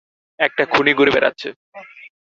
একটা খুনি ঘুরে বেড়াচ্ছে!